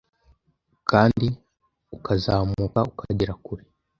kandi ukazamuka ukagera kure